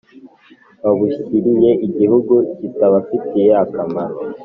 babushyiriye igihugu kitabafitiye akamaro.